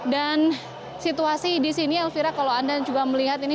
dan situasi di sini elvira kalau anda juga melihat ini